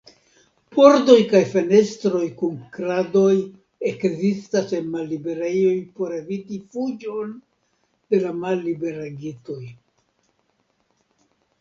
Pordoj kaj fenestroj kun kradoj ekzistas en malliberejoj por eviti fuĝon de la malliberigitoj.